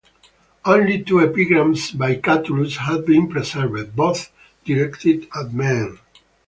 Only two epigrams by Catulus have been preserved, both directed at men.